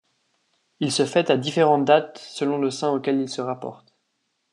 Il se fête à différentes dates selon le saint auquel il se rapporte.